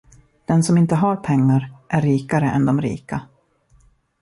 Den som inte har pengar är rikare än de rika.